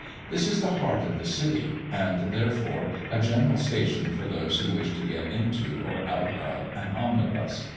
This is the heart of the city, and, therefore, a general station for those who wish to get into or out of an omnibus.